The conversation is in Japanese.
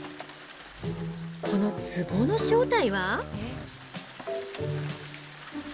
このつぼの正体は？